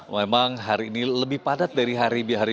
memang hari ini lebih padat dari hari hari biasa